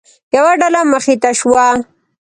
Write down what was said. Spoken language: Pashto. یوه ډله مخې ته شوه.